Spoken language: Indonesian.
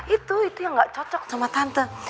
itu itu yang gak cocok sama tante